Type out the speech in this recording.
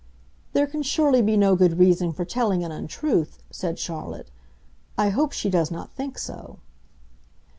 "There can surely be no good reason for telling an untruth," said Charlotte. "I hope she does not think so."